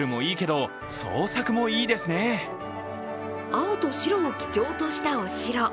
青と白を基調としたお城。